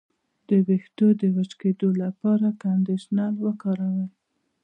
د ویښتو د وچ کیدو لپاره کنډیشنر وکاروئ